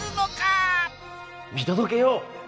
見届けよう！